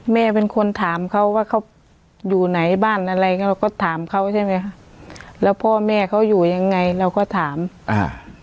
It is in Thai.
แม่เป็นคนถามเขาว่าเขาอยู่ไหนบ้านอะไรเราก็ถามเขาใช่ไหมคะแล้วพ่อแม่เขาอยู่ยังไงเราก็ถามอ่า